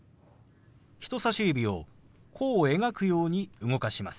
人さし指を弧を描くように動かします。